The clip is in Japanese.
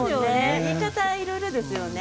言い方がいろいろですよね。